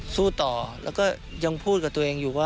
สู้ต่อแล้วก็ยังพูดกับตัวเองอยู่ว่า